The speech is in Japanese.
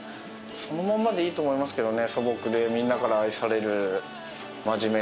そのまんまでいいと思いますね。